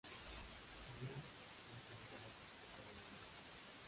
Luis fue un general de Caballería.